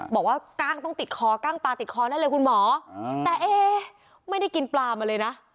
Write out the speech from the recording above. กล้างต้องติดคอกล้างปลาติดคอนั่นเลยคุณหมอแต่เอ๊ไม่ได้กินปลามาเลยนะ